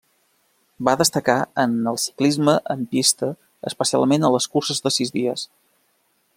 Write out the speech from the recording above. Va destacar en el ciclisme en pista especialment a les curses de sis dies.